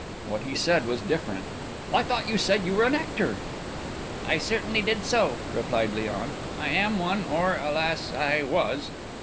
What he said was different. "I thought you said you were an actor?" "I certainly did so," replied Léon. "I am one, or, alas! I was."